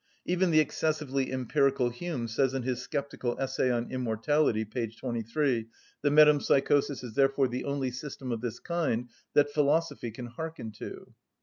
Even the excessively empirical Hume says in his sceptical essay on immortality, p. 23: "The metempsychosis is therefore the only system of this kind that philosophy can hearken to."